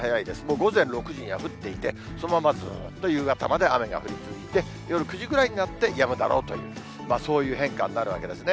午前６時には降っていて、そのままずーっと夕方まで雨が降り続いて、夜９時ぐらいになってやむだろうという、そういう変化になるわけですね。